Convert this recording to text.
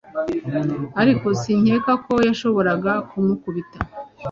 ariko sinkeka ko yashoboraga kumukubita